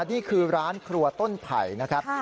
นี่คือร้านครัวต้นไผ่นะครับ